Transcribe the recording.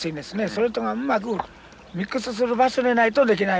それとがうまくミックスする場所でないと出来ないわけです。